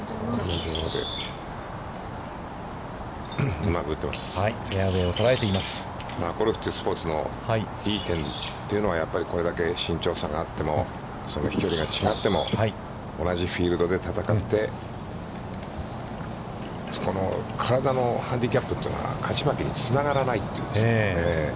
ゴルフって、スポーツのいい点というのはこれだけ身長差があっても、その飛距離が違っても同じフィールドで戦って、この体のハンディキャップというのは勝ち負けにつながらないというね。